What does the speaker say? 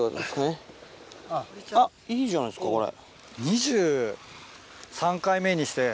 あっいいじゃないですかこれ。